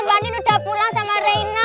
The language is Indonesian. mbak nin udah pulang sama reina